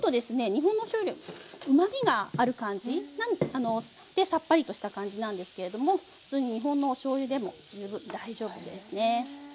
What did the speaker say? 日本のしょうゆよりうまみがある感じでさっぱりとした感じなんですけれども普通に日本のおしょうゆでも十分大丈夫ですね。